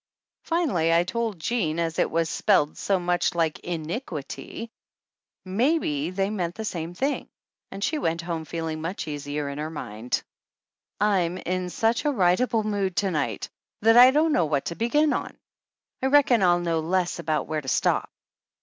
Finally I told Jean as it was spelled so much like In i qui ty maybe they meant the same thing, and she went home feeling much easier in her mind. 172 THE ANNALS OF ANN I'm in such a writable mood to night that I don't know what to begin on, and I reckon I'll know less about where to stop.